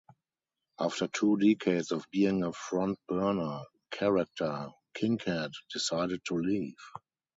After two decades of being a front-burner character, Kinkead decided to leave.